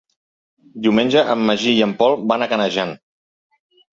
Diumenge en Magí i en Pol van a Canejan.